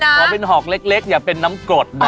แต่ว่าพอเบนหอกเล็กอย่าเป็นน้ำกรดนะ